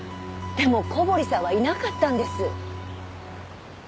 でも小堀さんはいなかったんです。